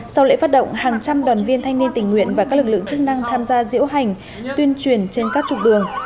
sau lễ phát động hàng trăm đoàn viên thanh niên tình nguyện và các lực lượng chức năng tham gia diễu hành tuyên truyền trên các trục đường